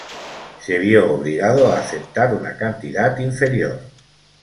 Se vio obligado a aceptar una cantidad inferior.